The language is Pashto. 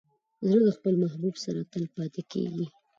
زړه د خپل محبوب سره تل پاتې کېږي.